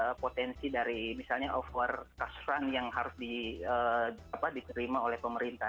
apakah itu pun potensi dari misalnya over cash run yang harus diterima oleh pemerintah